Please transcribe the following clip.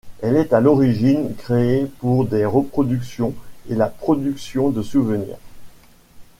Elle est à l’origine créée pour des reproductions et la production de souvenirs.